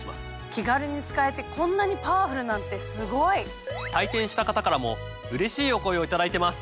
気軽に使えてこんなにパワフルなんてすごい！体験した方からもうれしいお声を頂いてます。